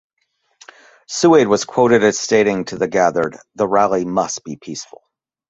Suwaid was quoted as stating to the gathered The rally must be peaceful.